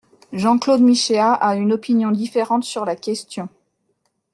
Jean-Claude Michéa a une opinion différente sur la question.